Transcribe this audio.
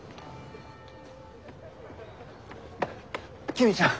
公ちゃん。